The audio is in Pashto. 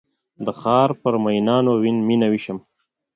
د ښارپر میینانو میینه ویشم